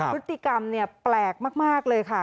พฤติกรรมเนี่ยแปลกมากเลยค่ะ